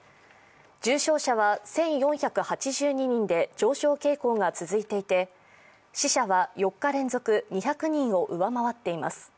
重症者は１４８２人で上昇傾向が続いていて死者は４日連続２００人を上回っています。